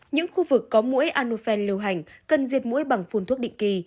những khu vực có mũi annofen lưu hành cần diệt mũi bằng phun thuốc định kỳ